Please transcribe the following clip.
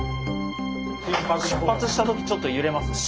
出発した時ちょっと揺れますね。